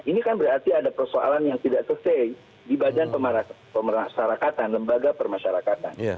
ini kan berarti ada persoalan yang tidak tersej di badan lembaga pemasyarakatan